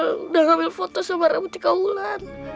sudah mengambil foto sama rambut cika wulan